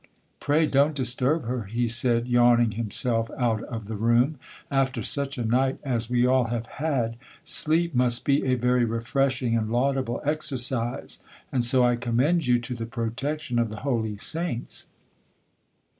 —'Pray, don't disturb her,' he said, yawning himself out of the room—'after such a night as we all have had, sleep must be a very refreshing and laudable exercise; and so I commend you to the protection of the holy saints!'